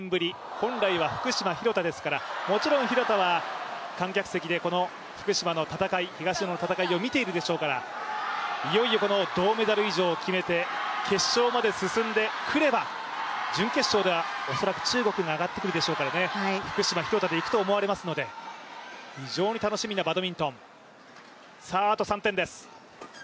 本来は福島・廣田ですからもちろん廣田は観客席でこの福島東野の戦いを見ているでしょうから、いよいよ銅メダル以上を決めて決勝まで進んでくれば準決勝では恐らく中国が上がってくるでしょうからね福島・廣田でいくと思われますので非常に楽しみなバドミントン。